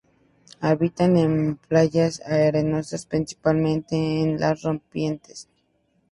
Habitan en playas arenosas, principalmente en las rompientes.